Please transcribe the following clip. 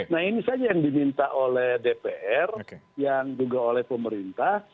nah ini saja yang diminta oleh dpr yang juga oleh pemerintah